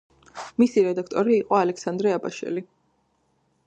მისი რედაქტორი იყო ალექსანდრე აბაშელი.